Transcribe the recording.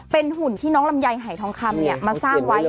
เป็นหุ่นที่น้องลำไยหายทองคำมาสร้างไว้